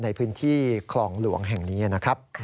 ในพื้นที่คลองหลวงแห่งนี้นะครับ